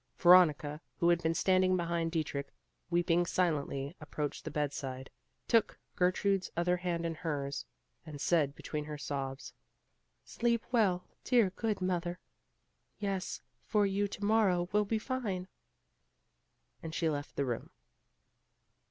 Veronica, who had been standing behind Dietrich weeping silently approached the bedside, took Gertrude's other hand in hers, and said between her sobs: "Sleep well, dear, good mother! Yes, for you 'tomorrow will be fine';" and she left the room.